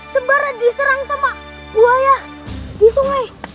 sebaran diserang sama buaya di sungai